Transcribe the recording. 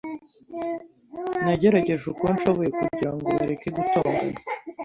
Nagerageje uko nshoboye kugira ngo bareke gutongana.